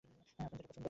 আপনার যেটা পছন্দ।